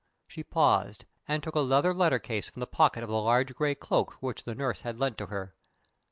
She paused, and took a leather letter case from the pocket of the large gray cloak which the nurse had lent to her.